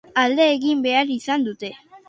Alde egin behar izan dute.